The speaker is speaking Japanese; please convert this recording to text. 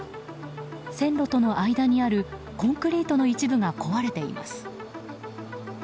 線路との間にあるコンクリートの一部が壊れています。